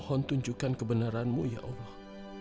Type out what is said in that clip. mohon tunjukkan kebenaranmu ya allah